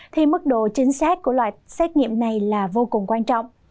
thì mức độ chính xác của loại xét nghiệm này là vô cùng quan trọng